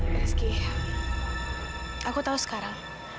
rizky aku tahu sekarang